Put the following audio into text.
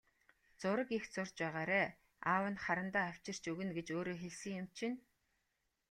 Зураг их зурж байгаарай, аав нь харандаа авчирч өгнө гэж өөрөө хэлсэн юм чинь.